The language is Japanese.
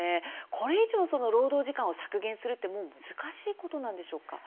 これ以上労働時間を削減するというのは難しいことなんでしょうか。